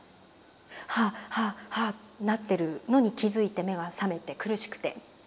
ハアハアハアなってるのに気付いて目が覚めて苦しくて。